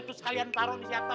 terus sekalian taruh di atasnya